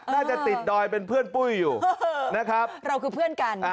น่าจะติดดอยเป็นเพื่อนปุ้ยอยู่นะครับเราคือเพื่อนกัน